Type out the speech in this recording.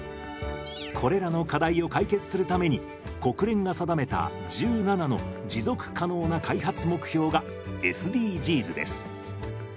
これらの課題を解決するために国連が定めた１７の持続可能な開発目標がＳＤＧｓです。